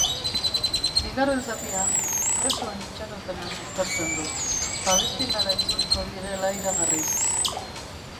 Bigarren zatian, presoen itxaropena suspertzen du, Palestinara itzuliko direla iragarriz.